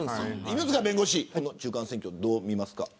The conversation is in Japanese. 犬塚弁護士中間選挙どう見ますか。